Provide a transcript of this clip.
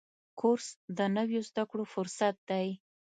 کورس د نویو زده کړو فرصت دی.